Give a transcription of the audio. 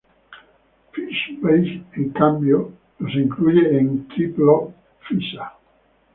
FishBase en cambio los incluye en "Triplophysa".